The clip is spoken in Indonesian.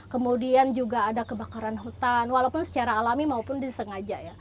kemudian juga ada kebakaran hutan walaupun secara alami maupun disengaja ya